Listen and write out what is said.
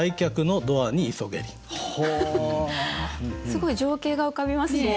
すごい情景が浮かびますね。